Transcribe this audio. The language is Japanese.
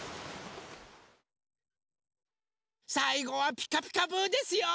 さいごは「ピカピカブ！」ですよ。